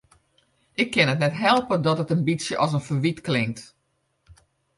Ik kin it net helpe dat it in bytsje as in ferwyt klinkt.